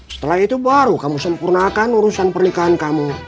setelah itu baru kamu sempurnakan urusan pernikahan kamu